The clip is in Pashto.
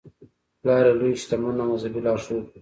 پلار یې لوی شتمن او مذهبي لارښود و.